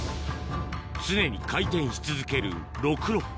常に回転し続けるろくろ